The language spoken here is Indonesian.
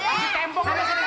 masih tempok kan di sini